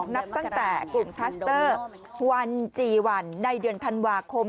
นับตั้งแต่กลุ่มคลัสเตอร์วันจีวันในเดือนธันวาคม